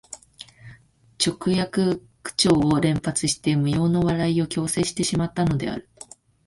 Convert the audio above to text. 直訳口調を連発して無用の笑いを強制してしまったのである